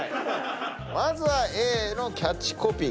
まずはＡのキャッチコピー